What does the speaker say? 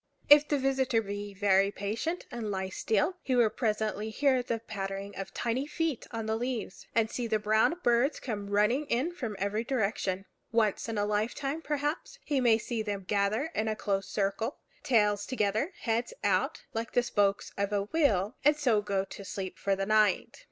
If the visitor be very patient, and lie still, he will presently hear the pattering of tiny feet on the leaves, and see the brown birds come running in from every direction. Once in a lifetime, perhaps, he may see them gather in a close circle tails together, heads out, like the spokes of a wheel, and so go to sleep for the night.